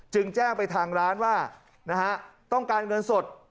จึงแจ้งไปทางร้านว่าต้องการเงินสด